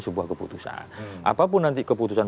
sebuah keputusan apapun nanti keputusan